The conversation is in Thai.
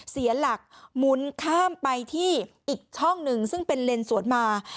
เสียหลักหมุนข้ามไปที่อีกช่องหนึ่งซึ่งเป็นเลนสวนมา